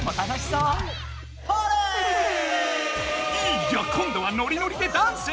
いや今度はノリノリでダンス！